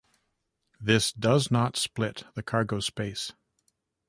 This does not split the cargo space.